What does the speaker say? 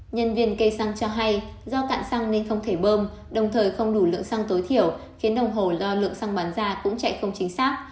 nhân viên cây xăng cho hay do cạn xăng nên không thể bơm đồng thời không đủ lượng xăng tối thiểu khiến đồng hồ lo lượng xăng bán ra cũng chạy không chính xác